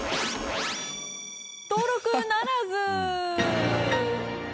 登録ならず。